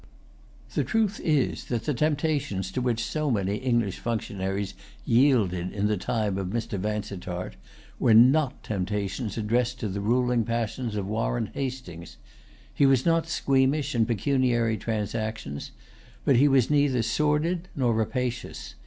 The truth is that the temptations to which so many English functionaries yielded in the time of Mr. Vansittart were not temptations addressed to the ruling passions of Warren Hastings. He was not squeamish in pecuniary transactions; but he was neither sordid nor rapacious.